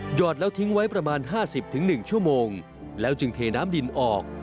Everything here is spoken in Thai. อดแล้วทิ้งไว้ประมาณ๕๐๑ชั่วโมงแล้วจึงเทน้ำดินออก